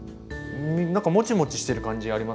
何かもちもちしてる感じありますけど。